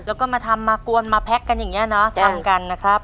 แล้วก็มาทำมากวนมาแพ็คกันอย่างนี้เนอะทำกันนะครับ